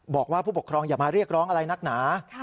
บอกว่าผู้ปกครองอย่ามาเรียกร้องอะไรนักหนา